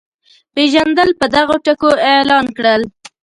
پېژندل په دغو ټکو اعلان کړل.